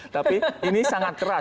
tapi ini sangat keras